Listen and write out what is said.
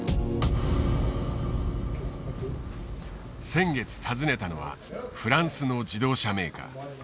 先月訪ねたのはフランスの自動車メーカー。